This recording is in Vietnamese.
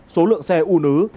số lượng xe u nứ